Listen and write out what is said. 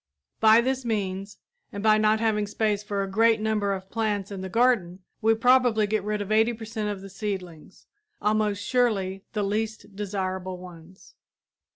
By this means, and by not having space for a great number of plants in the garden, we probably get rid of 80 per cent of the seedlings almost surely the least desirable ones.